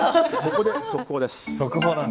ここで速報です。